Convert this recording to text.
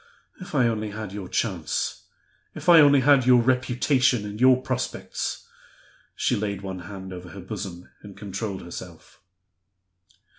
If I only had your chance! If I only had your reputation and your prospects!" She laid one hand over her bosom, and controlled herself.